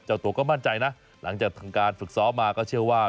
เจ้าตัวก็มั่นใจนะหลังจากทำการฝึกซ้อมมาก็เชื่อว่า